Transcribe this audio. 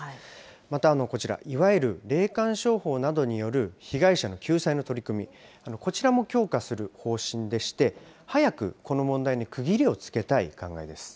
またこちら、いわゆる霊感商法などによる被害者の救済の取り組み、こちらも強化する方針でして、早くこの問題に区切りをつけたい考えです。